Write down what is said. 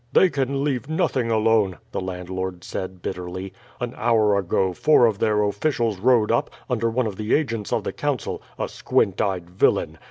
"They can leave nothing alone," the landlord said bitterly. "An hour ago four of their officials rode up, under one of the agents of the Council a squint eyed villain.